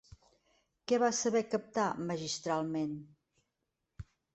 Què va saber captar magistralment?